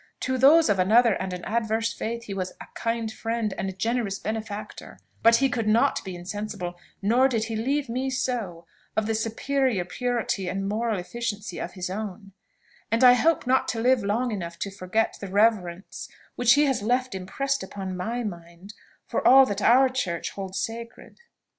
To those of another and an adverse faith he was a kind friend and generous benefactor; but he could not be insensible, nor did he leave me so, of the superior purity and moral efficacy of his own; and I hope not to live long enough to forget the reverence which he has left impressed upon my mind for all that our church holds sacred."